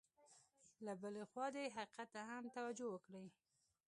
له بلې خوا دې حقیقت ته هم توجه وکړي.